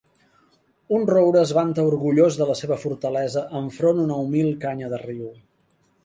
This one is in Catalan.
Un roure es vanta orgullós de la seva fortalesa enfront una humil canya de riu.